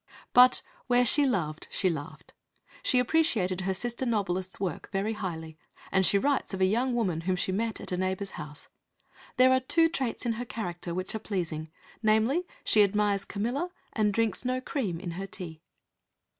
But where she loved she laughed. She appreciated her sister novelist's work very highly, and she writes of a young woman whom she met at a neighbour's house: "There are two traits in her character which are pleasing namely, she admires Camilla, and drinks no cream in her tea."